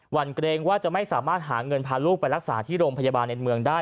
วันเกรงว่าจะไม่สามารถหาเงินพาลูกไปรักษาที่โรงพยาบาลในเมืองได้